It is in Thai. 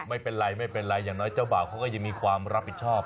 ไม่เป็นไรไม่เป็นไรอย่างน้อยเจ้าบ่าวเขาก็ยังมีความรับผิดชอบ